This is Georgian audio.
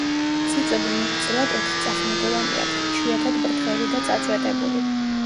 წიწვები მეტწილად ოთხწახნაგოვანი აქვთ, იშვიათად ბრტყელი და წაწვეტებული.